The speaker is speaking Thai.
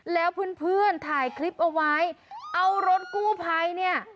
แล้วเพื่อนถ่ายคลิปเอาไว้เอารถกู้ไพเนี่ย